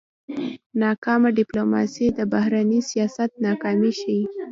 ناکامه ډيپلوماسي د بهرني سیاست ناکامي ښيي.